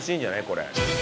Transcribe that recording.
これ。